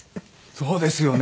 そうですよね。